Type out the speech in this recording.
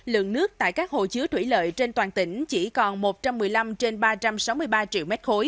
lượng nước tại các hồ chứa thủy lợi trên toàn tỉnh chỉ còn một trăm một mươi năm trên ba trăm sáu mươi ba triệu m ba